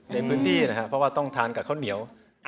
ในพื้นที่นะครับเพราะว่าต้องทานกับข้าวเหนียว